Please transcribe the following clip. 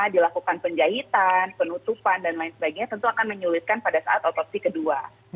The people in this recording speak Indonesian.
dilakukan penjahitan penutupan dan lain sebagainya tentu akan menyulitkan pada saat otopsi kedua